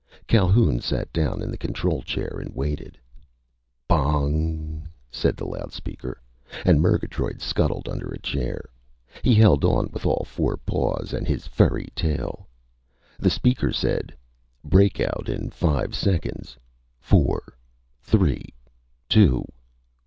Calhoun sat down in the control chair and waited. "Bong!" said the loud speaker, and Murgatroyd scuttled under a chair. He held on with all four paws and his furry tail. The speaker said, "_Breakout in five seconds ... four ... three ... two